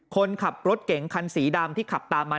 คนขับรถเก๋งคันสีดำที่ขับตามมา